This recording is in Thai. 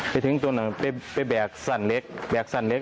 ไปแบกสั้นเล็ก